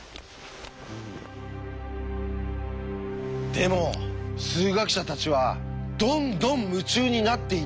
でも数学者たちはどんどん夢中になっていったっていうんですよ。